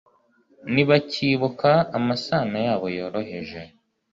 Ntibakibuka amasano yabo yoroheje